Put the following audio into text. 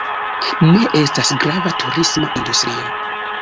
Ne estas grava turisma industrio.